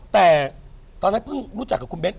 แต่ตอนนั้นเพิ่งรู้จักกับคุณเบ้น